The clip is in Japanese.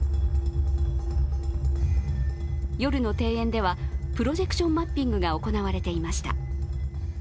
夜の庭園では、プロジェクションマッピングが行われていました。